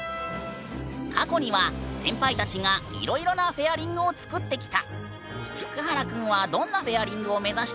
過去には先輩たちがいろいろなフェアリングを作ってきた。